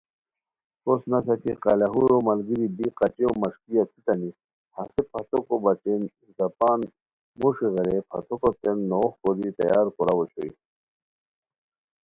کوس نسہ کی قلاہورو ملگیر ی بی قچیو مݰکی اسیتائے ہسے پھتاکو بچین زاپان موݰی غیرئے پھتاکو تین نوغ کوری تیار کوراؤ اوشوئے